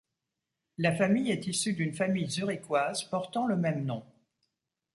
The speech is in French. La famille est issue d'une famille zurichoise portant le même nom.